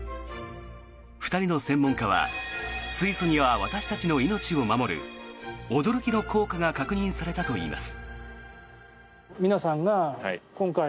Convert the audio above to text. ２人の専門家は水素には私たちの命を守る驚きの効果が確認されたといいます。